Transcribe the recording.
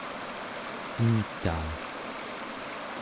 entaa